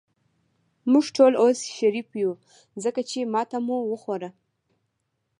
موږ ټول اوس شریف یو، ځکه چې ماته مو وخوړه.